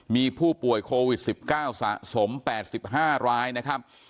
มีผู้ป่วยโควิดสิบเก้าสมแปดสิบห้ารายนะครับ